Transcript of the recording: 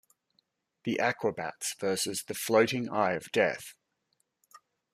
The Aquabats versus the Floating Eye of Death!